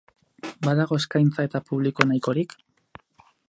Badago eskaintza eta publiko nahikorik?